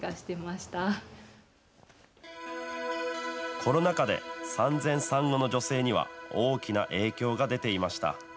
コロナ禍で産前産後の女性には大きな影響が出ていました。